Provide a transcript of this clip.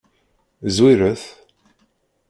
Zwiret.